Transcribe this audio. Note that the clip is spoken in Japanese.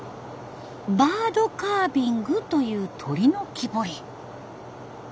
「バードカービング」という鳥の木彫り。